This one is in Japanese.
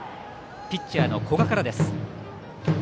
ピッチャーの古賀からです。